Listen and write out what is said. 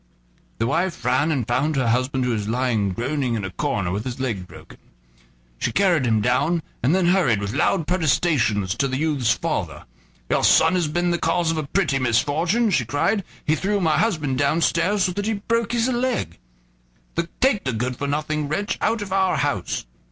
The wife ran and found her husband who was lying groaning in a corner, with his leg broken. She carried him down, and then hurried with loud protestations to the youth's father. "Your son has been the cause of a pretty misfortune," she cried; "he threw my husband downstairs so that he broke his leg. Take the good for nothing wretch out of our house."